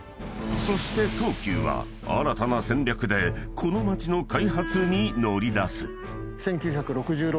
［そして東急は新たな戦略でこの街の開発に乗り出す］